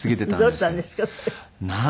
どうしたんですか？